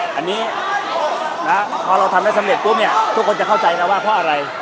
พอที่เราทำได้สำเร็จก็ทุกคนจะเข้าใจอะไร